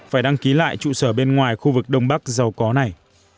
phải đăng ký lại trụ sở bên ngoài khu vực đông bắc giàu có này